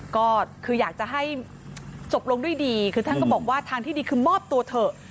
ก็คืออยากจะให้จบลงด้วยดีคือท่านก็บอกว่าทางที่ดีคือมอบตัวเถอะ